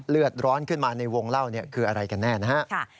เลือดร้อนขึ้นมาในวงเล่าคืออะไรกันแน่นะฮะ